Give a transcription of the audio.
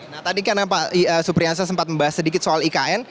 nah tadi karena pak supriansa sempat membahas sedikit soal ikn